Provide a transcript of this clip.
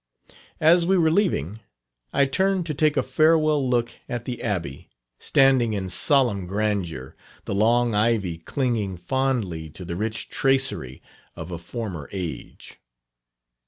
As we were leaving, I turned to take a farewell look at the Abbey, standing in solemn grandeur, the long ivy clinging fondly to the rich tracery of a former age.